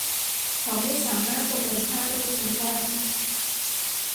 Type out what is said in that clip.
เขาไม่สามารถประเมินค่ารูปนั้นได้